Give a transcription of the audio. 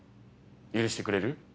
許してくれる？